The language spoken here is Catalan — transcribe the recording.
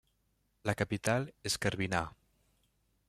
La capital és Karviná.